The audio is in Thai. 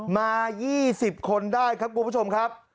มา๒๐คนได้ครับคุณผู้ชมครับ